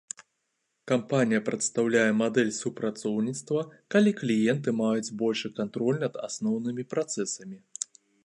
Кампанія прадастаўляе мадэль супрацоўніцтва, калі кліенты маюць большы кантроль над асноўнымі працэсамі.